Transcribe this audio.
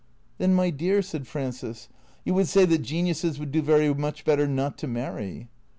" Then, my dear," said Frances, " you would say that geniuses would do very much better not to marry